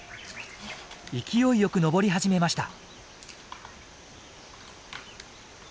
勢いよく登り始めました。